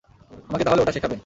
আমাকে তাহলে ওটা শেখাবেন।